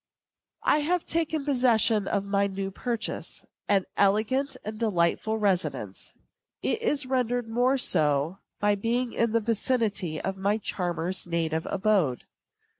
I have taken possession of my new purchase an elegant and delightful residence. It is rendered more so by being in the vicinity of my charmer's native abode.